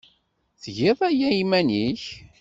Tgiḍ aya i yiman-nnek?